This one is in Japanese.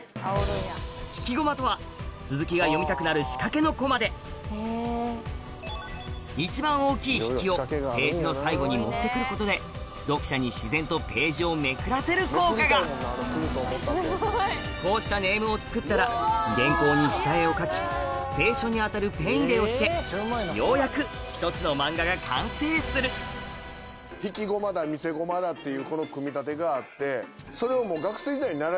引きゴマとは続きが読みたくなる仕掛けのコマで一番大きい引きをページの最後に持ってくることで読者に自然とページをめくらせる効果がこうしたネームを作ったら原稿に下絵を描き清書に当たるペン入れをしてようやく一つのマンガが完成するなと思いましたね。